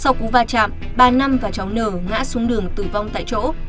sau cú va chạm bà năm và cháu nờ ngã xuống đường tử vong tại chỗ